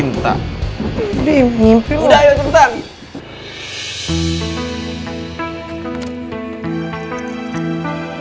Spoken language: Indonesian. ngapain gue benci sama orang